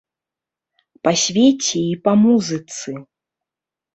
Па свеце і па музыцы.